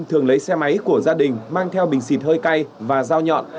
bọn em thường lấy xe máy của gia đình mang theo bình xịt hơi cay và dao nhọn